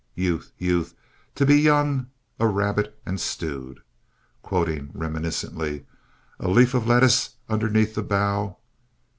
Youth! Youth! To be young, a rabbit and stewed. (Quoting reminiscently) "A leaf of lettuce underneath the bough."